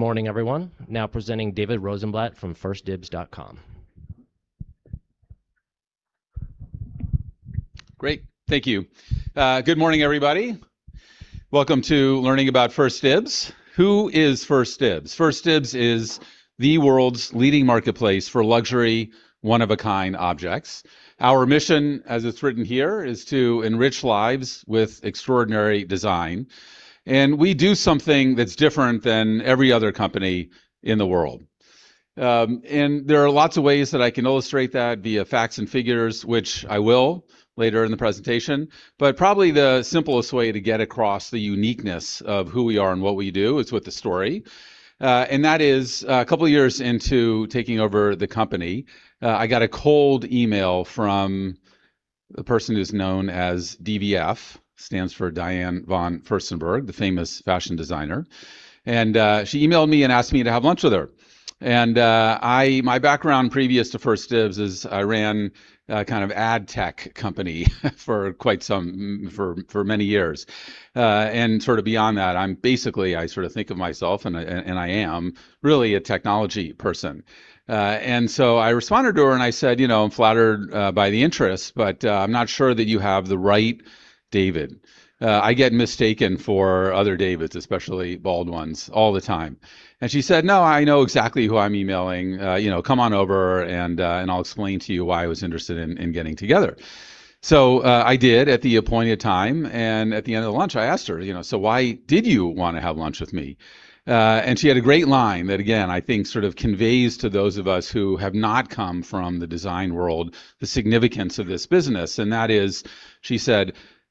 Good morning, everyone. Now presenting David Rosenblatt from 1stdibs.com. Great. Thank you. Good morning, everybody. Welcome to learning about 1stDibs. Who is 1stDibs? 1stDibs is the world's leading marketplace for luxury, one-of-a-kind objects. Our mission, as it's written here, is to enrich lives with extraordinary design, we do something that's different than every other company in the world. There are lots of ways that I can illustrate that via facts and figures, which I will later in the presentation. Probably the simplest way to get across the uniqueness of who we are and what we do is with a story. That is, a couple of years into taking over the company, I got a cold email from the person who's known as DVF, stands for Diane von Furstenberg, the famous fashion designer. She emailed me and asked me to have lunch with her. My background previous to 1stDibs is I ran a kind of ad tech company for many years. Sort of beyond that, basically, I sort of think of myself, and I am really a technology person. I responded to her and I said, "I'm flattered by the interest, but I'm not sure that you have the right David." I get mistaken for other Davids, especially bald ones, all the time. She said, "No, I know exactly who I'm emailing. Come on over, I'll explain to you why I was interested in getting together." I did at the appointed time, at the end of the lunch, I asked her, "Why did you want to have lunch with me?" She had a great line that, again, I think sort of conveys to those of us who have not come from the design world the significance of this business. That is, she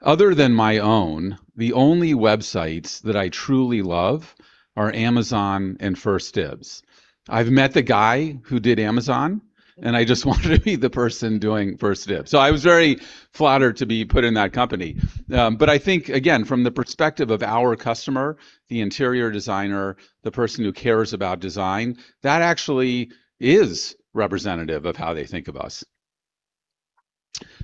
said, "Other than my own, the only websites that I truly love are Amazon and 1stDibs. I've met the guy who did Amazon, I just wanted to meet the person doing 1stDibs." I was very flattered to be put in that company. I think, again, from the perspective of our customer, the interior designer, the person who cares about design, that actually is representative of how they think of us.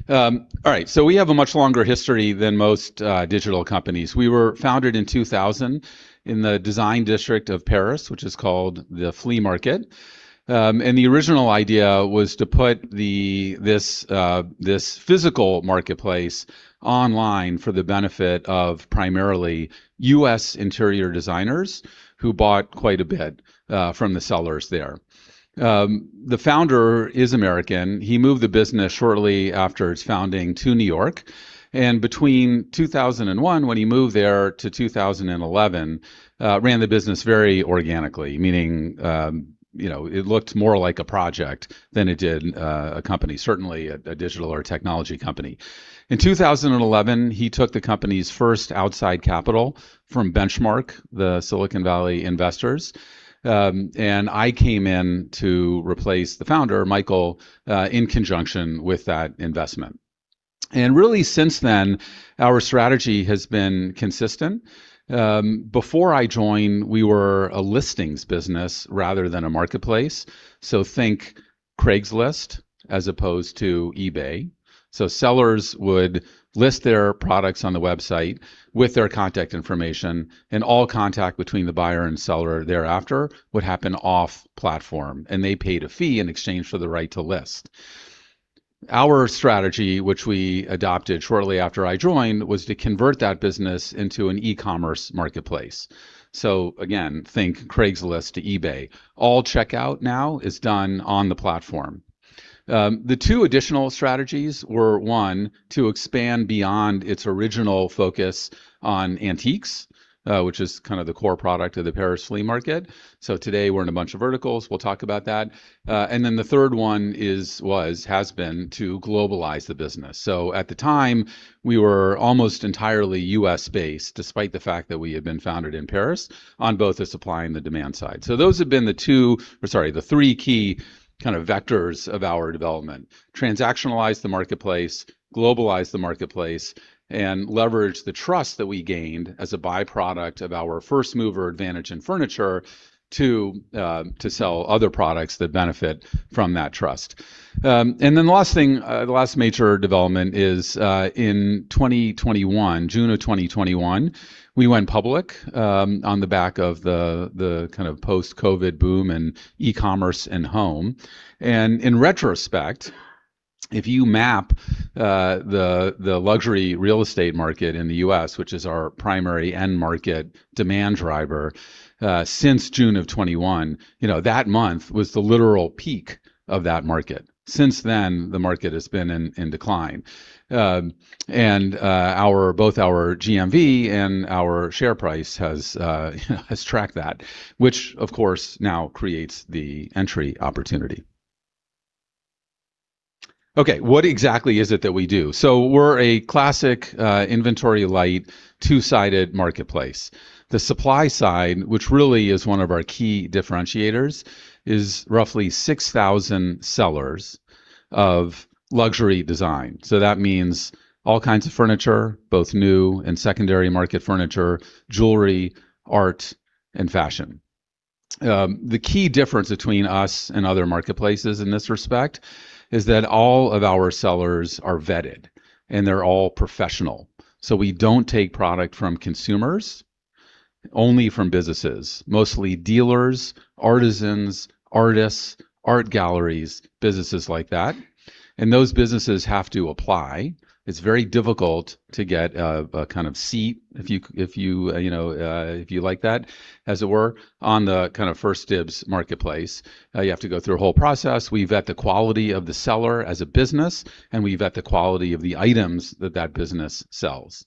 All right. So we have a much longer history than most digital companies. We were founded in 2000 in the design district of Paris, which is called the Flea Market. The original idea was to put this physical marketplace online for the benefit of primarily U.S. interior designers who bought quite a bit from the sellers there. The founder is American. He moved the business shortly after its founding to New York, and between 2001, when he moved there, to 2011, ran the business very organically, meaning it looked more like a project than it did a company, certainly a digital or a technology company. In 2011, he took the company's first outside capital from Benchmark, the Silicon Valley investors, and I came in to replace the founder, Michael, in conjunction with that investment. Really, since then, our strategy has been consistent. Before I joined, we were a listings business rather than a marketplace. Think craigslist as opposed to eBay. Sellers would list their products on the website with their contact information, and all contact between the buyer and seller thereafter would happen off-platform, and they paid a fee in exchange for the right to list. Our strategy, which we adopted shortly after I joined, was to convert that business into an e-commerce marketplace. Again, think craigslist to eBay. All checkout now is done on the platform. The two additional strategies were, one, to expand beyond its original focus on antiques, which is kind of the core product of the Paris Flea Market. Today, we're in a bunch of verticals. We'll talk about that. The third one has been to globalize the business. At the time, we were almost entirely U.S.-based, despite the fact that we had been founded in Paris, on both the supply and the demand side. Those have been the three key kind of vectors of our development. Transactionalize the marketplace, globalize the marketplace, and leverage the trust that we gained as a byproduct of our first-mover advantage in furniture to sell other products that benefit from that trust. The last major development is in June of 2021, we went public on the back of the kind of post-COVID boom in e-commerce and home. In retrospect, if you map the luxury real estate market in the U.S., which is our primary end market demand driver, since June of 2021, that month was the literal peak of that market. Since then, the market has been in decline. Both our GMV and our share price has tracked that, which, of course, now creates the entry opportunity. Okay. What exactly is it that we do? We're a classic inventory-light, two-sided marketplace. The supply side, which really is one of our key differentiators, is roughly 6,000 sellers of luxury design. That means all kinds of furniture, both new and secondary market furniture, jewelry, art, and fashion. The key difference between us and other marketplaces in this respect is that all of our sellers are vetted, and they're all professional. We don't take product from consumers, only from businesses. Mostly dealers, artisans, artists, art galleries, businesses like that. Those businesses have to apply. It's very difficult to get a kind of seat, if you like that, as it were, on the 1stDibs marketplace. You have to go through a whole process. We vet the quality of the seller as a business, we vet the quality of the items that that business sells.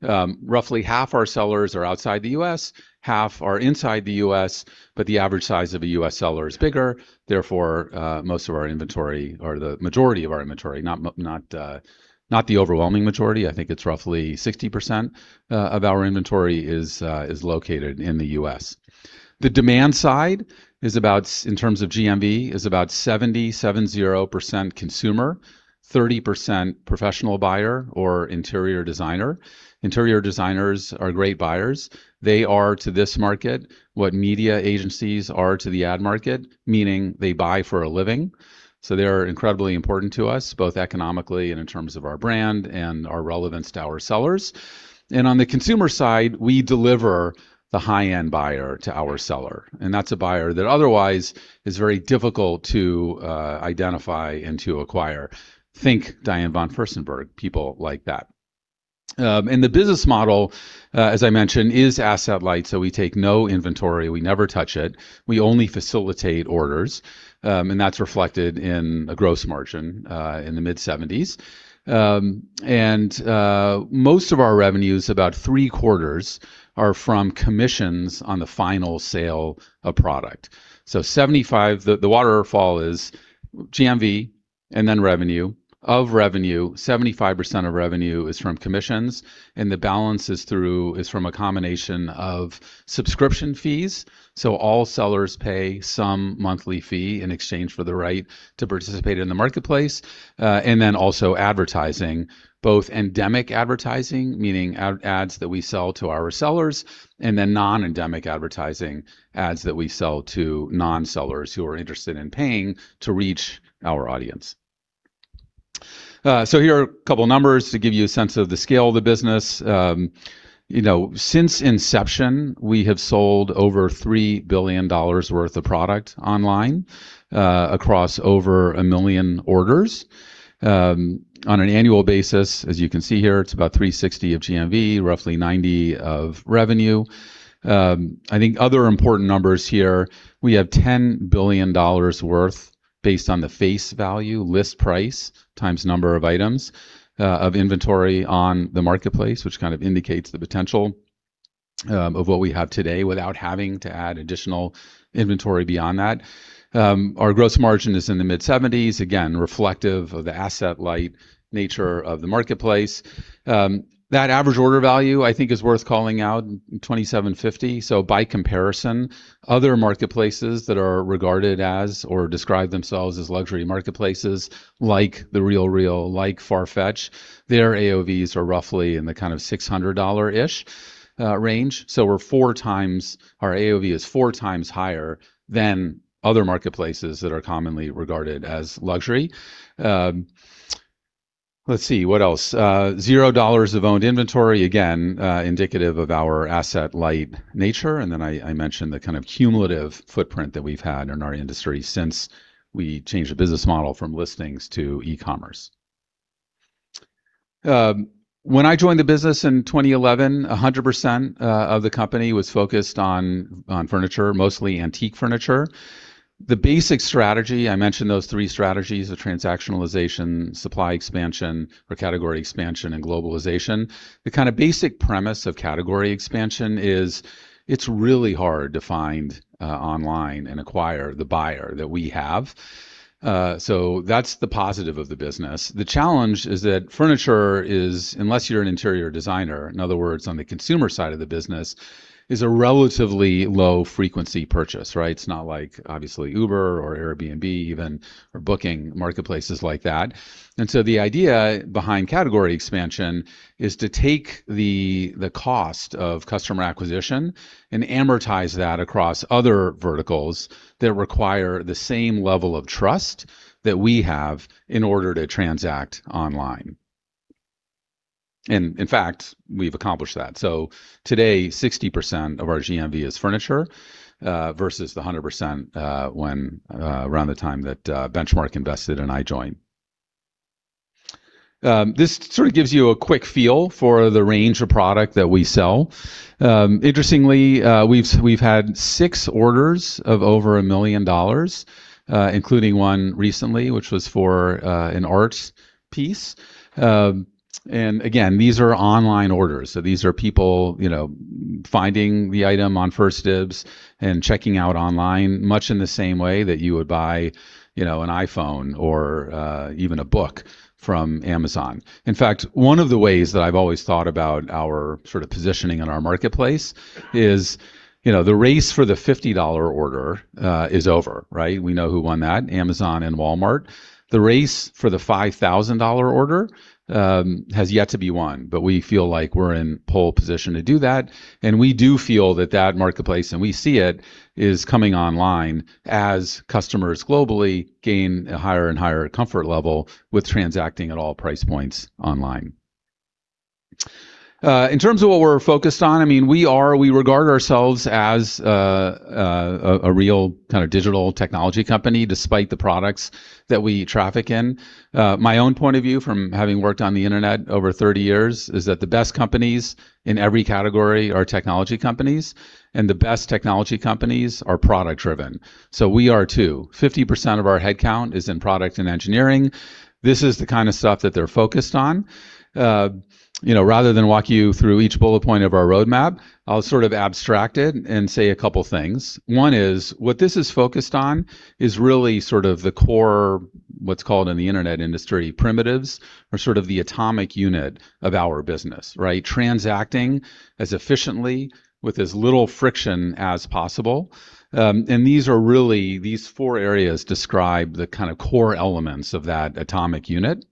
Roughly half our sellers are outside the U.S., half are inside the U.S., but the average size of a U.S. seller is bigger, therefore, most of our inventory, or the majority of our inventory, not the overwhelming majority. I think it's roughly 60% of our inventory is located in the U.S. The demand side, in terms of GMV, is about 77.0% consumer, 30% professional buyer or interior designer. Interior designers are great buyers. They are to this market what media agencies are to the ad market, meaning they buy for a living. They are incredibly important to us, both economically and in terms of our brand and our relevance to our sellers. On the consumer side, we deliver the high-end buyer to our seller, and that's a buyer that otherwise is very difficult to identify and to acquire. Think Diane von Furstenberg, people like that. The business model, as I mentioned, is asset-light, we take no inventory. We never touch it. We only facilitate orders, and that's reflected in a gross margin in the mid-70s. Most of our revenues, about three-quarters, are from commissions on the final sale of product. The waterfall is GMV and then revenue. Of revenue, 75% of revenue is from commissions, and the balance is from a combination of subscription fees. All sellers pay some monthly fee in exchange for the right to participate in the marketplace. Also advertising, both endemic advertising, meaning ads that we sell to our sellers, and non-endemic advertising, ads that we sell to non-sellers who are interested in paying to reach our audience. Here are a couple of numbers to give you a sense of the scale of the business. Since inception, we have sold over $3 billion worth of product online across over a million orders. On an annual basis, as you can see here, it's about $360 of GMV, roughly $90 of revenue. I think other important numbers here, we have $10 billion worth based on the face value, list price times number of items of inventory on the marketplace, which kind of indicates the potential of what we have today without having to add additional inventory beyond that. Our gross margin is in the mid-70s, again, reflective of the asset-light nature of the marketplace. That average order value I think is worth calling out, $2,750. By comparison, other marketplaces that are regarded as or describe themselves as luxury marketplaces like The RealReal, like FARFETCH, their AOVs are roughly in the $600-ish range. Our AOV is four times higher than other marketplaces that are commonly regarded as luxury. Let's see, what else? $0 of owned inventory, again, indicative of our asset-light nature. I mentioned the cumulative footprint that we've had in our industry since we changed the business model from listings to e-commerce. When I joined the business in 2011, 100% of the company was focused on furniture, mostly antique furniture. The basic strategy, I mentioned those three strategies of transactionalization, supply expansion or category expansion, and globalization. The kind of basic premise of category expansion is it's really hard to find online and acquire the buyer that we have. That's the positive of the business. The challenge is that furniture is, unless you're an interior designer, in other words, on the consumer side of the business, is a relatively low-frequency purchase, right? It's not like, obviously, Uber or Airbnb even, or booking marketplaces like that. The idea behind category expansion is to take the cost of customer acquisition and amortize that across other verticals that require the same level of trust that we have in order to transact online. In fact, we've accomplished that. Today, 60% of our GMV is furniture versus the 100% around the time that Benchmark invested and I joined. This sort of gives you a quick feel for the range of product that we sell. Interestingly, we've had six orders of over a million dollars, including one recently, which was for an art piece. Again, these are online orders. These are people finding the item on 1stDibs and checking out online, much in the same way that you would buy an iPhone or even a book from Amazon. In fact, one of the ways that I've always thought about our sort of positioning in our marketplace is the race for the $50 order is over, right? We know who won that, Amazon and Walmart. The race for the $5,000 order has yet to be won, but we feel like we're in pole position to do that, and we do feel that that marketplace, and we see it, is coming online as customers globally gain a higher and higher comfort level with transacting at all price points online. In terms of what we're focused on, we regard ourselves as a real digital technology company, despite the products that we traffic in. My own point of view from having worked on the internet over 30 years is that the best companies in every category are technology companies, and the best technology companies are product-driven. We are too. 50% of our headcount is in product and engineering. This is the kind of stuff that they're focused on. Rather than walk you through each bullet point of our roadmap, I'll sort of abstract it and say a couple of things. One is, what this is focused on is really sort of the core, what's called in the internet industry, primitives, or sort of the atomic unit of our business, right? Transacting as efficiently with as little friction as possible. These four areas describe the kind of core elements of that atomic unit.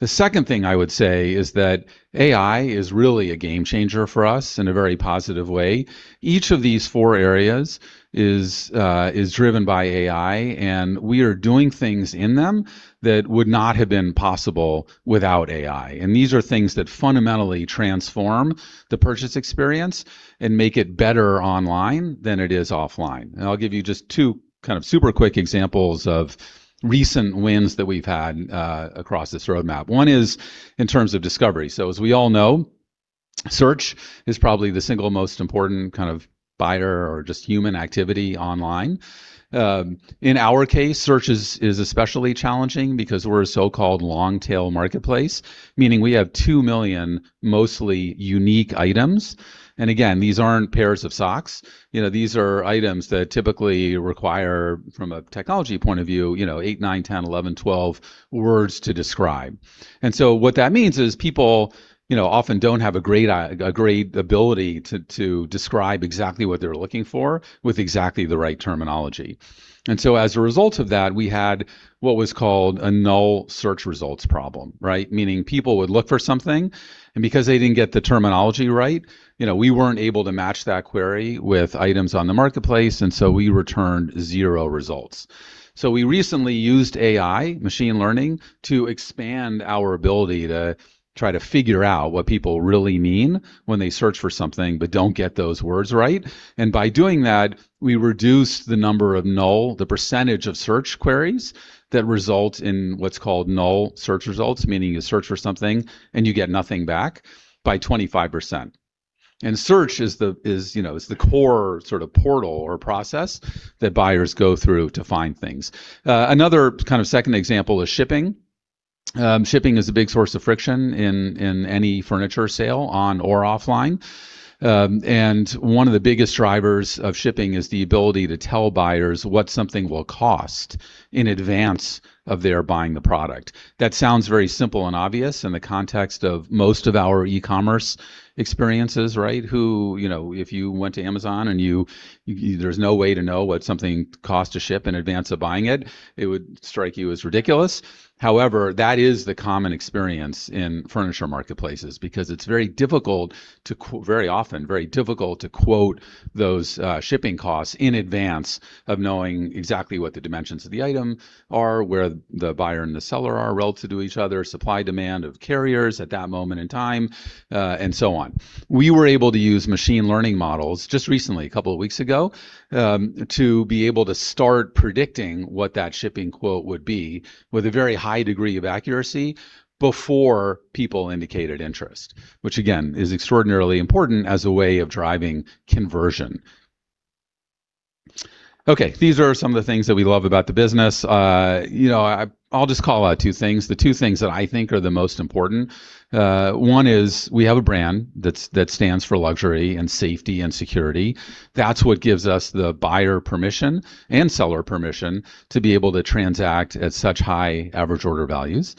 The second thing I would say is that AI is really a game changer for us in a very positive way. Each of these four areas is driven by AI, we are doing things in them that would not have been possible without AI. These are things that fundamentally transform the purchase experience and make it better online than it is offline. I'll give you just two super quick examples of recent wins that we've had across this roadmap. One is in terms of discovery. As we all know, search is probably the single most important kind of buyer or just human activity online. In our case, search is especially challenging because we're a so-called long-tail marketplace, meaning we have 2 million mostly unique items. Again, these aren't pairs of socks. These are items that typically require, from a technology point of view, eight, nine, 10, 11, 12 words to describe. What that means is people often don't have a great ability to describe exactly what they're looking for with exactly the right terminology. As a result of that, we had what was called a null search results problem, right? Meaning people would look for something, and because they didn't get the terminology right, we weren't able to match that query with items on the marketplace, and so we returned zero results. We recently used AI, machine learning, to expand our ability to try to figure out what people really mean when they search for something but don't get those words right. By doing that, we reduced the number of null, the percentage of search queries that result in what's called null search results, meaning you search for something and you get nothing back, by 25%. Search is the core sort of portal or process that buyers go through to find things. Another kind of second example is shipping. Shipping is a big source of friction in any furniture sale on or offline. One of the biggest drivers of shipping is the ability to tell buyers what something will cost in advance of their buying the product. That sounds very simple and obvious in the context of most of our e-commerce experiences, right? If you went to Amazon and there's no way to know what something costs to ship in advance of buying it would strike you as ridiculous. However, that is the common experience in furniture marketplaces because it's very often very difficult to quote those shipping costs in advance of knowing exactly what the dimensions of the item are, where the buyer and the seller are relative to each other, supply-demand of carriers at that moment in time, and so on. We were able to use machine learning models just recently, a couple of weeks ago, to be able to start predicting what that shipping quote would be with a very high degree of accuracy before people indicated interest, which again, is extraordinarily important as a way of driving conversion. These are some of the things that we love about the business. I'll just call out two things, the two things that I think are the most important. One is we have a brand that stands for luxury and safety and security. That's what gives us the buyer permission and seller permission to be able to transact at such high average order values.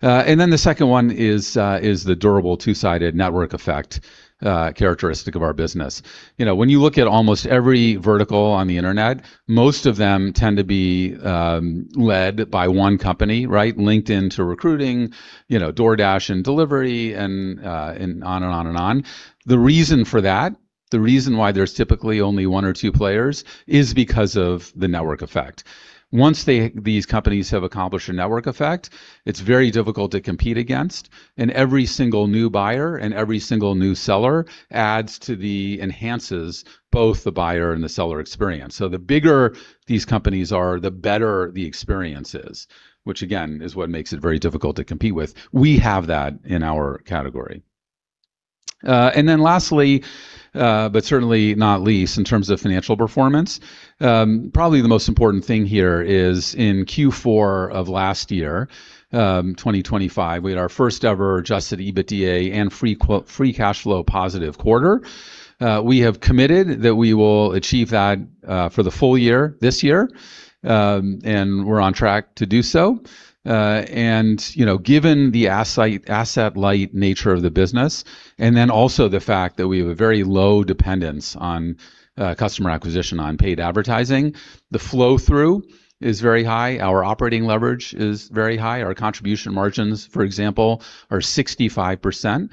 The second one is the durable two-sided network effect characteristic of our business. When you look at almost every vertical on the internet, most of them tend to be led by one company, right? LinkedIn to recruiting, DoorDash in delivery, and on and on and on. The reason for that, the reason why there's typically only one or two players, is because of the network effect. Once these companies have accomplished a network effect, it's very difficult to compete against, and every single new buyer and every single new seller adds to the, enhances both the buyer and the seller experience. The bigger these companies are, the better the experience is, which again, is what makes it very difficult to compete with. We have that in our category. Lastly, certainly not least in terms of financial performance, probably the most important thing here is in Q4 of last year, 2025, we had our first ever adjusted EBITDA and free cash flow positive quarter. We have committed that we will achieve that for the full year this year, and we're on track to do so. Given the asset-light nature of the business, also the fact that we have a very low dependence on customer acquisition, on paid advertising, the flow-through is very high. Our operating leverage is very high. Our contribution margins, for example, are 65%.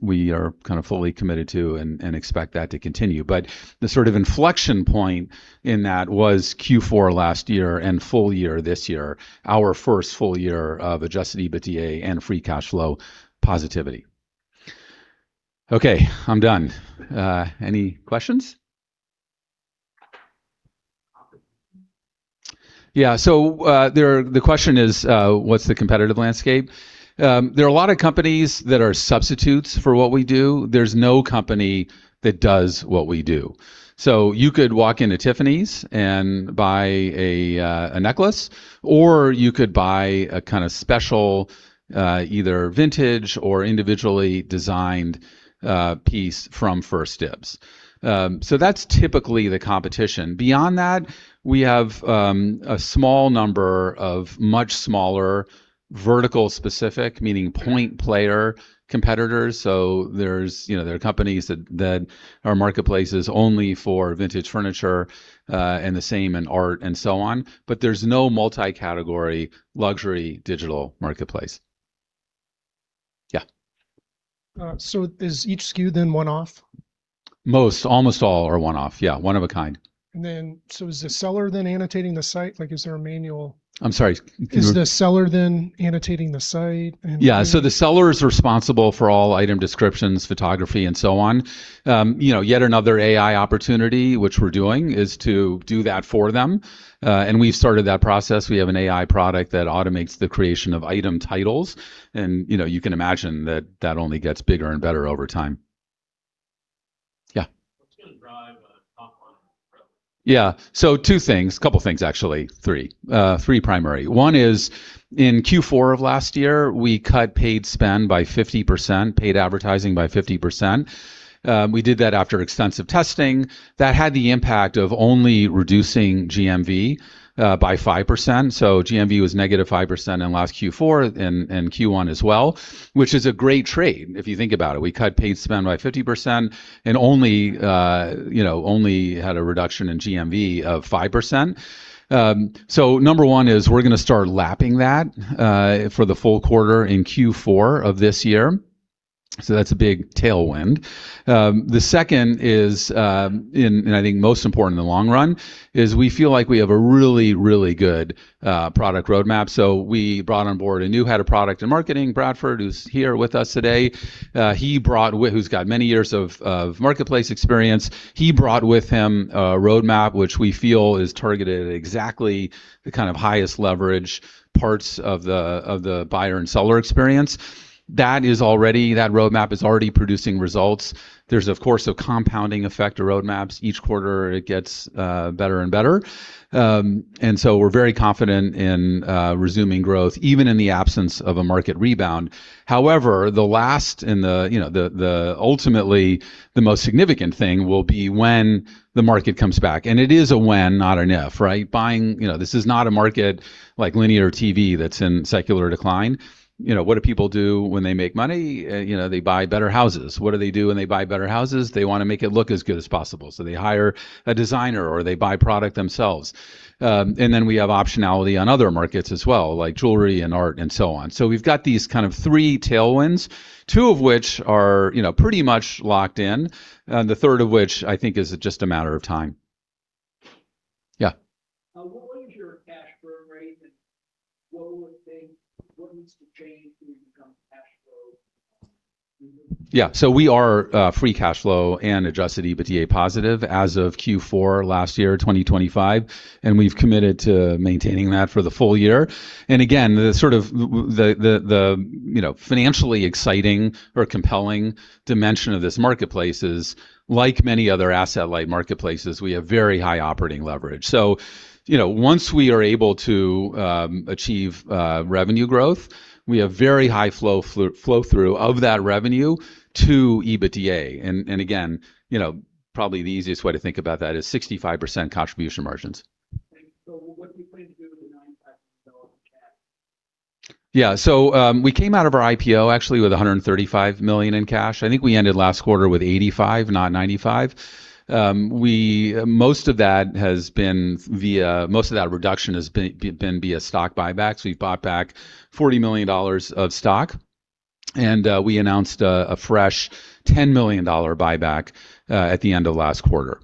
We are kind of fully committed to and expect that to continue. The sort of inflection point in that was Q4 last year and full year this year, our first full year of adjusted EBITDA and free cash flow positivity. Okay, I'm done. Any questions? The question is, what's the competitive landscape? There are a lot of companies that are substitutes for what we do. There's no company that does what we do. You could walk into Tiffany's and buy a necklace, or you could buy a kind of special, either vintage or individually designed piece from 1stDibs. That's typically the competition. Beyond that, we have a small number of much smaller vertical-specific, meaning point player competitors. There are companies that are marketplaces only for vintage furniture, and the same in art and so on, but there's no multi-category luxury digital marketplace. Is each SKU then one-off? Most, almost all are one-off. One of a kind. Is the seller then annotating the site? The seller is responsible for all item descriptions, photography, and so on. Yet another AI opportunity, which we're doing, is to do that for them. We've started that process. We have an AI product that automates the creation of item titles, you can imagine that that only gets bigger and better over time. What's going to drive top line growth? Yeah. Two things, couple things, actually, three. Three primary. One is in Q4 of last year, we cut paid spend by 50%, paid advertising by 50%. We did that after extensive testing. That had the impact of only reducing GMV by 5%. GMV was negative 5% in last Q4 and Q1 as well, which is a great trade if you think about it. We cut paid spend by 50% and only had a reduction in GMV of 5%. Number one is we're going to start lapping that for the full quarter in Q4 of this year. That's a big tailwind. The second is, and I think most important in the long run, is we feel like we have a really, really good product roadmap. We brought on board a new head of product and marketing, Bradford, who's here with us today. Who's got many years of marketplace experience. He brought with him a roadmap, which we feel is targeted at exactly the kind of highest leverage parts of the buyer and seller experience. That roadmap is already producing results. There's, of course, a compounding effect to roadmaps. Each quarter it gets better and better. We're very confident in resuming growth, even in the absence of a market rebound. However, the last and ultimately the most significant thing will be when the market comes back. It is a when, not an if, right? This is not a market like linear TV that's in secular decline. What do people do when they make money? They buy better houses. What do they do when they buy better houses? They want to make it look as good as possible. They hire a designer, or they buy product themselves. We have optionality on other markets as well, like jewelry and art and so on. We've got these kind of three tailwinds, two of which are pretty much locked in, the third of which I think is just a matter of time. Yeah. What is your cash burn rate, and what needs to change for you to become cash flow positive? Yeah. We are free cash flow and adjusted EBITDA positive as of Q4 last year, 2025, and we've committed to maintaining that for the full year. Again, the sort of financially exciting or compelling dimension of this marketplace is, like many other asset-light marketplaces, we have very high operating leverage. Once we are able to achieve revenue growth, we have very high flow-through of that revenue to EBITDA. Again, probably the easiest way to think about that is 65% contribution margins. What do you plan to do with the $95 million in cash? Yeah. We came out of our IPO actually with $135 million in cash. I think we ended last quarter with $85 million, not $95 million. Most of that reduction has been via stock buybacks. We've bought back $40 million of stock, and we announced a fresh $10 million buyback at the end of last quarter.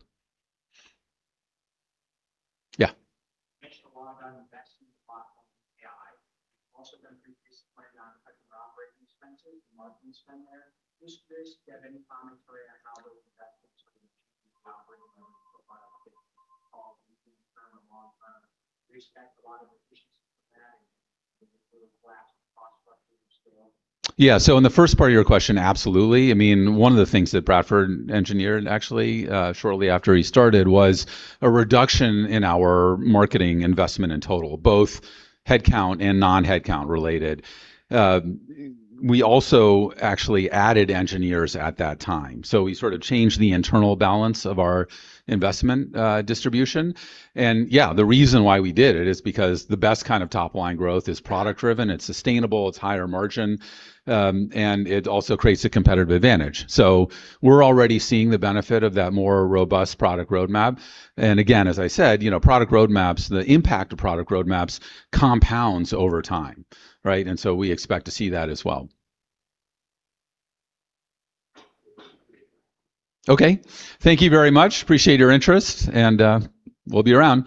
investment distribution. Yeah, the reason why we did it is because the best kind of top-line growth is product driven. It's sustainable, it's higher margin, and it also creates a competitive advantage. We're already seeing the benefit of that more robust product roadmap. Again, as I said, the impact of product roadmaps compounds over time, right? We expect to see that as well. Okay, thank you very much. Appreciate your interest, and we'll be around.